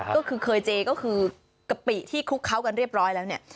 ก็คือเคยเจก็คือกะปิที่คลุกเคล้ากันเรียบร้อยแล้วเนี่ย